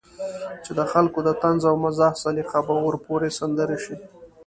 چې د خلکو د طنز او مزاح سليقه به ورپورې سندره شي.